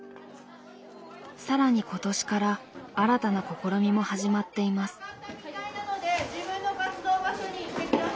更に今年から新たな試みも始まっています。